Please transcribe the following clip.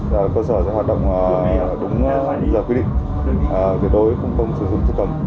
cơ sở sẽ hoạt động đúng lý do quy định kể đối không sử dụng chức tầm